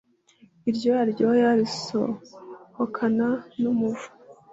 iryoya ryayo risohokana n'umuvu